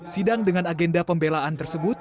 sidang dengan agenda pembelaan tersebut